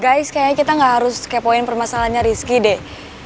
guys kayaknya kita gak harus kepoin permasalahannya rizky deh